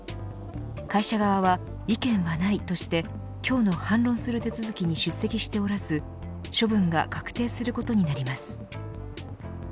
会社側は、意見はないとして今日の反論する手続きに出席しておらず処分が確定することになります。